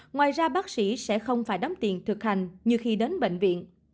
ngoài ra bác sĩ sẽ không phải đóng tiền thực hành như khi đến bệnh viện